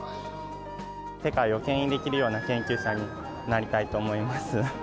世界をけん引できるような研究者になりたいと思います。